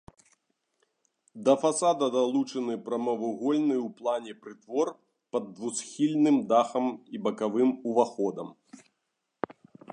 Да фасада далучаны прамавугольны ў плане прытвор пад двухсхільным дахам і бакавым уваходам.